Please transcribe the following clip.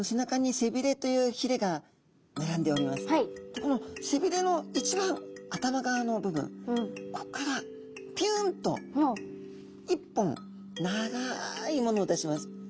でこの背びれの一番頭側の部分こっからピュンと１本長いものを出します。